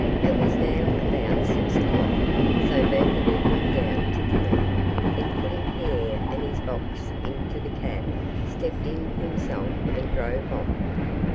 It was now about six o'clock, so Vandeloup went down to dinner; then putting Pierre and his box into the cab, stepped in himself and drove off.